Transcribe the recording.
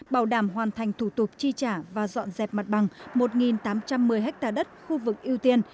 bảo đảm hoàn thành thủ tục chi trả và dọn dẹp mặt bằng một tám trăm một mươi ha đất khu vực ưu tiên